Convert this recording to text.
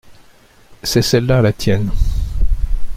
C’est celle-là la tienne.